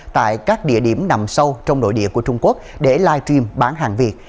tại các địa điểm nằm sâu trong nội địa của trung quốc để live stream bán hàng việt